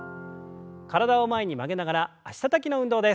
体を前に曲げながら脚たたきの運動です。